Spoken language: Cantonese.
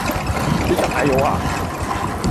你大我呀